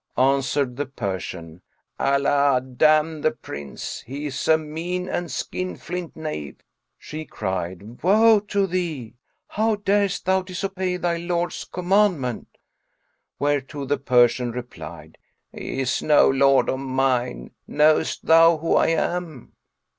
Answered the Persian, "Allah damn the Prince! he is a mean and skin flint knave." She cried, "Woe to thee! How darest thou disobey thy lord's commandment?" Whereto the Persian replied, "He is no lord of mine: knowest thou who I am?"